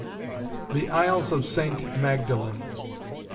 THE ISLES OF ST. MAGDALEN.